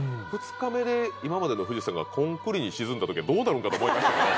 ２日目で今までの富士山がコンクリに沈んだ時はどうなるんかと思いましたけど。